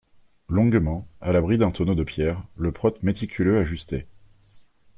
Longuement, à l'abri d'un tonneau de pierres, le prote méticuleux ajustait.